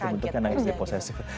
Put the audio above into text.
kayak gimana tuh bentuknya sd posesif